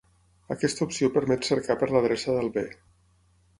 Aquesta opció permet cercar per l'adreça del bé.